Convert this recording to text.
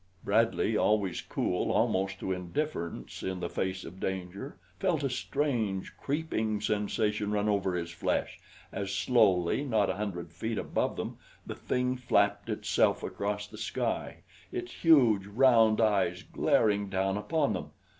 Bradley, always cool almost to indifference in the face of danger, felt a strange, creeping sensation run over his flesh, as slowly, not a hundred feet above them, the thing flapped itself across the sky, its huge, round eyes glaring down upon them.